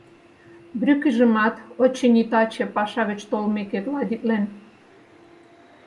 Брюкыжымат, очыни, таче, паша гыч толмеке гладитлен.